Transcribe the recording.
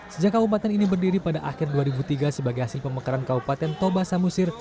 sejak kabupaten ini berdiri pada akhir dua ribu tiga sebagai hasil pemekaran kabupaten toba samusir